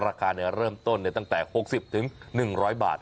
ราคาเริ่มต้นตั้งแต่๖๐๑๐๐บาท